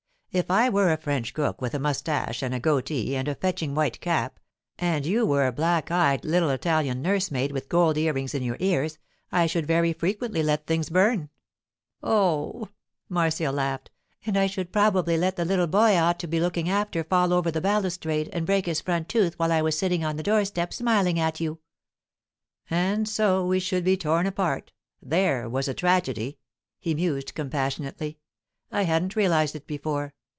'If I were a French cook with a moustache and a goatee and a fetching white cap, and you were a black eyed little Italian nursemaid with gold ear rings in your ears, I should very frequently let things burn.' 'Oh,' Marcia laughed. 'And I should probably let the little boy I ought to be looking after fall over the balustrade and break his front tooth while I was sitting on the door step smiling at you.' 'And so we should be torn apart—there was a tragedy!' he mused compassionately. 'I hadn't realized it before.